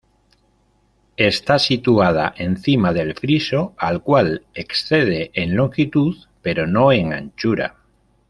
Está situada encima del friso al cual excede en longitud, pero no en anchura.